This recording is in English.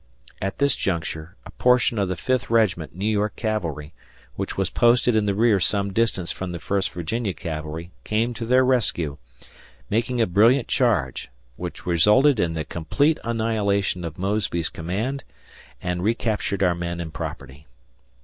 At this juncture a portion of the Fifth Regiment New York Cavalry which was posted in the rear some distance from the First Virginia Cavalry came to their rescue, making a brilliant charge, which resulted in the complete annihilation of Mosby's command and recaptured our men and property.